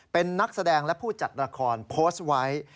เป็นนักแสดงและผู้จัดละครโพสต์ไว้